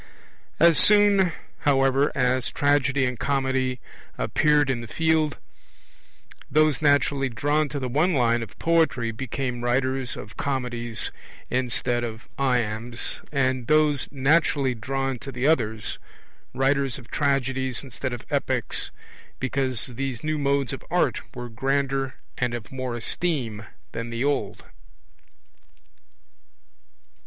As soon, however, as Tragedy and Comedy appeared in the field, those naturally drawn to the one line of poetry became writers of comedies instead of iambs, and those naturally drawn to the other, writers of tragedies instead of epics, because these new modes of art were grander and of more esteem than the old.